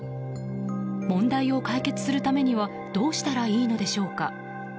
問題を解決するためにはどうしたらいいのでしょうか。